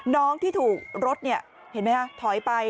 น้องที่ถูกรถเห็นไหมฮะถอยไป